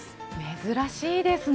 珍しいですね。